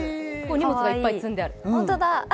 荷物がいっぱい積んである。